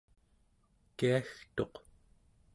kiagtuq